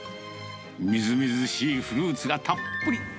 みずみずしいフルーツがたっぷり。